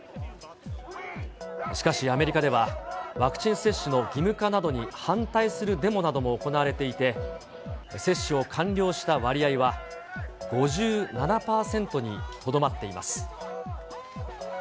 しかしアメリカでは、ワクチン接種の義務化などに反対するデモなども行われていて、接種を完了した割合は、５７％にとどまっています。